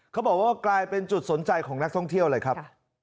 เขาบอกว่ากลายเป็นจุดสนใจของนักท่องเที่ยวเลยครับ